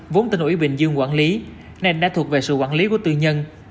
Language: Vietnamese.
vốn tỉnh ủy bình dương quản lý nên đã thuộc về sự quản lý của tư nhân